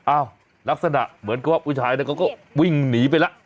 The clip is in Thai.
ลักษณะเหมือนกับว่าผู้ชายเขาก็วิ่งหนีไปแล้ว